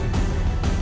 saya mau ke rumah